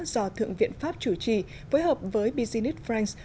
do thượng viện pháp chủ trì phối hợp với business frank